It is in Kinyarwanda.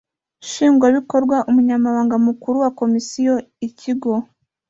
Nshingwabikorwa /Umunyamabanga Mukuru wa Komisiyo/ikigo;